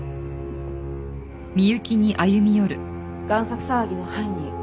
贋作騒ぎの犯人